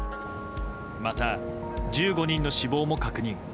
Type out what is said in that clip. また、１５人の死亡も確認。